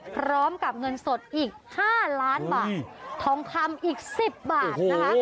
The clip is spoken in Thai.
พร้อมกับเงินสดอีก๕ล้านบาททองคำอีก๑๐บาทนะคะ